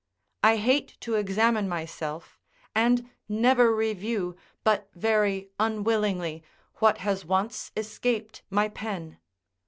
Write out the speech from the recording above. I hate to examine myself, and never review, but very unwillingly, what has once escaped my pen.